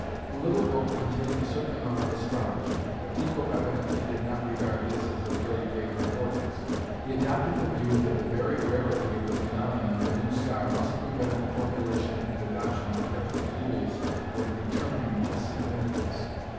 The little book contained a certain amount of astrology, but Tycho evidently did not regard this as of very great importance. He adopted the view that the very rarity of the phenomenon of a new star must prevent the formulation and adoption of definite rules for determining its significance.